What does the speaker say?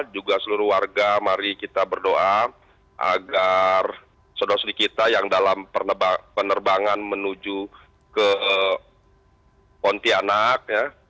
juga seluruh warga mari kita berdoa agar saudara saudara kita yang dalam penerbangan menuju ke pontianak